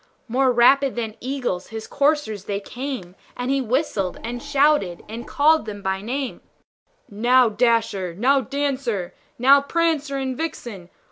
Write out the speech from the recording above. More rapid than eagles his coursers they came, And he whistled, and shouted, and called them by name; "Now, Dasher! now, Dancer! now, Prancer and Vixen!